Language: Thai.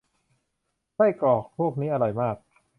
ไส้กรอกพวกนี้อร่อยมาก ๆ